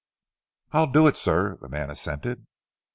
"I'll do it, sir," the man assented.